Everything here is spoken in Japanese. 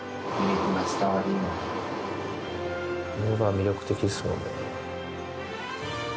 魅力的っすもんね。